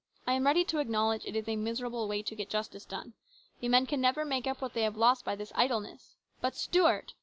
I am ready to acknow ledge it is a miserable way to try to get justice done. The men can never make up what they have lost by this idleness. But, Stuart